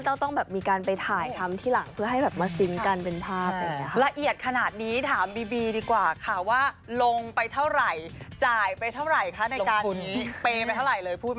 เต้าต้องมาถ่ายทำผิดใบขาให้กองกินมามาซินเป็นภาพ